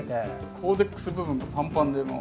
コーデックス部分がパンパンでもう。